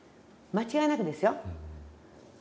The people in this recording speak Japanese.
間違いなくですよ。